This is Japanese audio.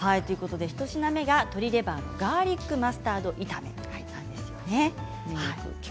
２品目が鶏レバーのガーリックマスタード炒めですね。